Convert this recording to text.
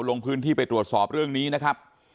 ลงพื้นที่ไปตรวจสอบเรื่องนี้นะครับ